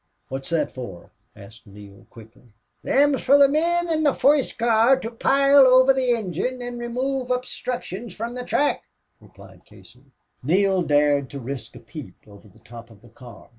"What's that for?" asked Neale, quickly. "Them's for the men in the foist car to pile over the engine an' remove obstruchtions from the track," replied Casey. Neale dared to risk a peep over the top of the car.